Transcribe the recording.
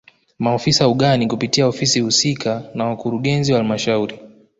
Maofisa ugani kupitia ofisi husika na wakurugenzi wa halmashauri